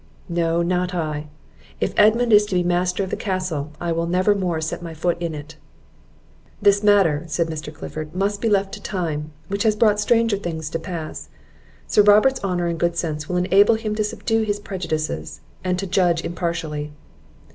"No, not I; if Edmund is to be master of the castle, I will never more set my foot in it." "This matter," said Mr. Clifford, "must be left to time, which has brought stranger things to pass. Sir Robert's honour and good sense will enable him to subdue his prejudices, and to judge impartially."